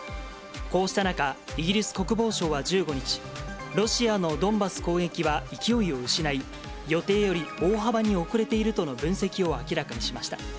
こうした中、イギリス国防省は１５日、ロシアのドンバス攻撃は勢いを失い、予定より大幅に遅れているとの分析を明らかにしました。